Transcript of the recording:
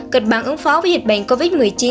kịch bản ứng phó với dịch bệnh covid một mươi chín